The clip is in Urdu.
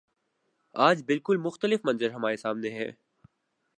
آج بالکل مختلف منظر ہمارے سامنے ہے۔